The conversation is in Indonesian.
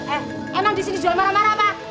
eh emang di sini jual marah marah pak